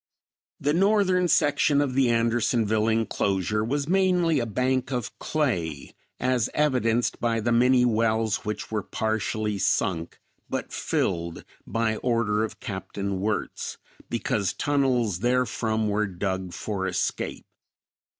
The northern section of the Andersonville inclosure was mainly a bank of clay, as evidenced by the many wells which were partially sunk, but filled, by order of Capt. Wirtz, because tunnels therefrom were dug for escape.